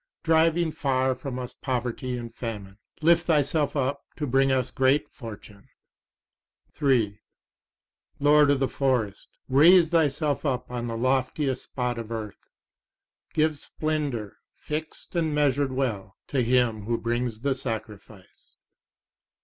Driving far from us poverty and famine, lift thyself up to bring us great good fortune. 3 Lord of the Forest, raise. thyself up on the loftiest spot of earth. Give splendour, fixt and measured well, to him who brings the sacrifice.